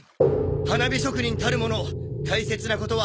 花火職人たるもの大切なことは花火で伝える。